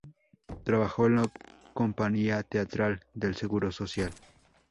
Trabajó en la compañía teatral del Seguro Social.